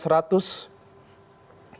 mencapai seratus juta